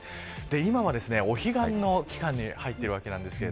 今はお彼岸の期間に入っているわけです。